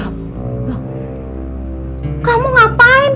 bisa berubah juga